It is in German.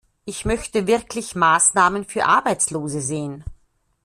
Ich möchte wirklich Maßnahmen für Arbeitslose sehen.